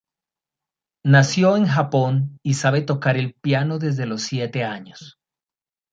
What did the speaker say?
Nació en Japón y sabe tocar el piano desde los siete años.